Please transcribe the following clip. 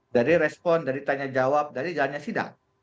dari respon dari tanya jawab dari jalannya sidang